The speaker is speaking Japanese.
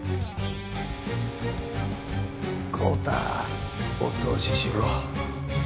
豪太お通ししろ。